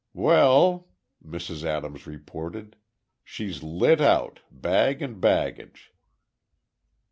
"Well!" Mrs. Adams reported, "she's lit out, bag and baggage."